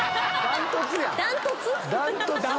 断トツだ。